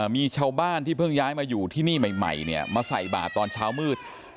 มีชาวบ้านที่เพิ่งย้ายมาอยู่ที่นี่ใหม่เนี่ยมาใส่บาทตอนเช้ามืด